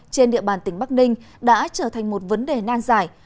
trên địa bàn tỉnh bắc ninh đã trở thành một vấn đề nan giải